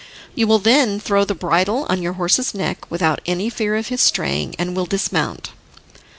You will then throw the bridle on your horse's neck without any fear of his straying, and will dismount.